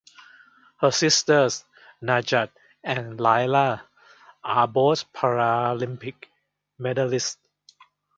Her sisters Najat and Laila are both Paralympic medalists.